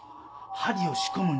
「針を仕込む」